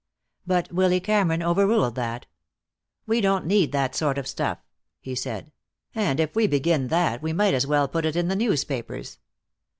But Willy Cameron overruled that. "We don't need that sort of stuff," he said, "and if we begin that we might as well put it in the newspapers.